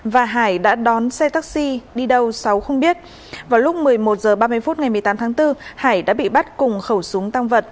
và hải đã đón xe taxi đi đâu sáu không biết vào lúc một mươi một h ba mươi phút ngày một mươi tám tháng bốn hải đã bị bắt cùng khẩu súng tăng vật